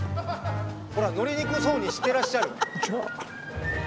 ほら乗りにくそうにしてらっしゃる。